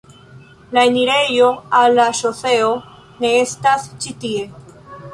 La enirejo al la ŝoseo ne estas ĉi tie.